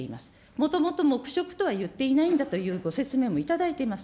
もともと黙食とは言っていないんだというご説明も頂いています。